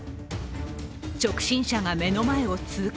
直進車が目の前を通過。